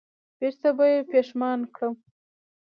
بېرته به یې پښېمان کړم